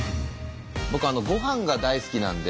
僕ごはんが大好きなので。